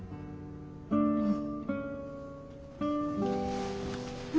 うん。